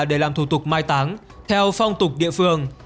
để làm thủ tục mai táng theo phong tục địa phương